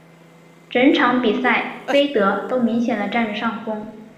整场比赛菲德都明显的占着上风。